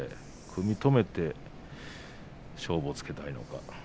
組み止めて勝負をつけたいのか。